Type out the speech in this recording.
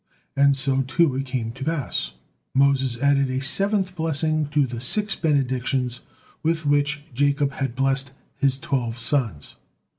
And so, too, it came to pass. Moses added a seventh blessing to the six benedictions with which Jacob had blessed his twelve sons.